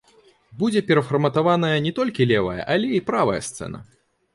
Будзе перафарматаваная не толькі левая, але і правая сцэна.